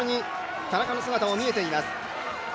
その後ろに田中の姿も見えています。